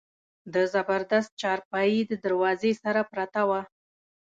د زبردست څارپايي د دروازې سره پرته وه.